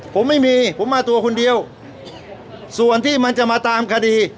ผมไม่มีผมมาตัวคนเดียวส่วนที่มันจะมาตามคดี